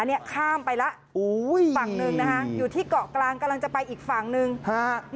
อันนี้ข้ามไปแล้วอุ้ยฝั่งหนึ่งนะคะอยู่ที่เกาะกลางกำลังจะไปอีกฝั่งหนึ่งฮะ